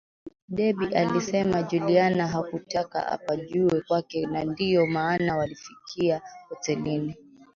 Debby alisema Juliana hakutaka apajue kwake na ndio maana walifikia hotelini